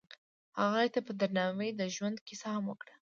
هغه هغې ته په درناوي د ژوند کیسه هم وکړه.